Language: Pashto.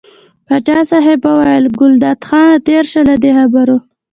پاچا صاحب وویل ګلداد خانه تېر شه له دې خبرو.